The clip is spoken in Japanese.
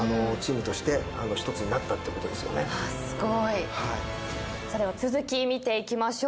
すごい。では続き見ていきましょう。